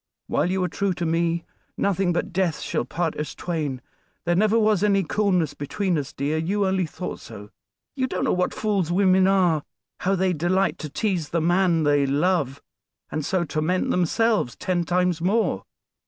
"While you are true to me, nothing but death shall part us twain. There never was any coolness between us, dear; you only thought so. You don't know what fools women are; how they delight to tease the man they love, and so torment themselves ten times more.